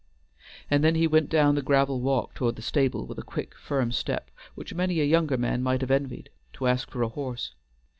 And then he went down the gravel walk toward the stable with a quick, firm step, which many a younger man might have envied, to ask for a horse.